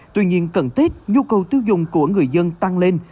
tuy nhiên cần thiết nhu cầu tiêu dùng của người dân tăng lên